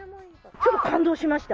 ちょっと感動しました。